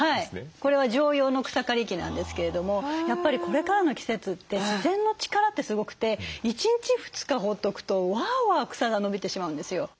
これは常用の草刈り機なんですけれどもやっぱりこれからの季節って自然の力ってすごくて１日２日放っとくとわあわあ草が伸びてしまうんですよ。